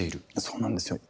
そうなんですよ。